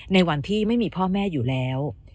ในวันที่ไม่มีพ่อแม่อยู่แล้ว